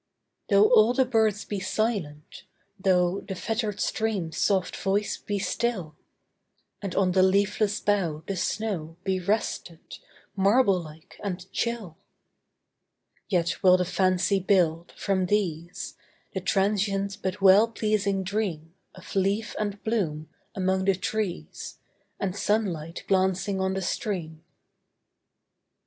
Though all the birds be silent,—thoughThe fettered stream's soft voice be still, And on the leafless bough the snowBe rested, marble like and chill,—Yet will the fancy build, from these, The transient but well pleasing dreamOf leaf and bloom among the trees, And sunlight glancing on the stream.